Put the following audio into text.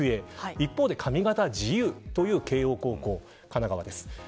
一方で髪形自由という慶応高校、神奈川です。